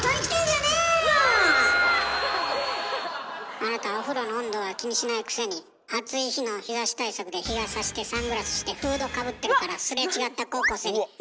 あなたお風呂の温度は気にしないくせに暑い日の日ざし対策で日傘してサングラスしてフードかぶってるからすれ違った高校生に「見て！